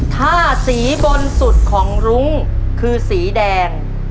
ถ้าสีบนสุดของรุ้งคือสีแดง